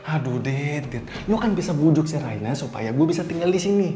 aduh dede lu kan bisa bujuk si raina supaya gue bisa tinggal disini